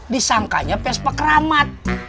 disangkanya vespa keramat